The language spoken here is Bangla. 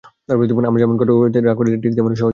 আমরা যেমন করে কথা বলি, রাগ করি, ঠিক তেমনি সহজ অভিনয়।